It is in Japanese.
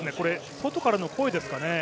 外からの声ですかね。